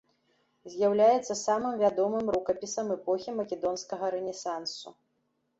З'яўляецца самым вядомым рукапісам эпохі македонскага рэнесансу.